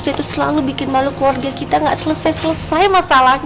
itu selalu bikin malu keluarga kita gak selesai selesai masalah